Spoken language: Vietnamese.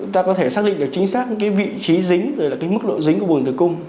ta có thể xác định được chính xác những cái vị trí dính và cái mức độ dính của vùng tử cung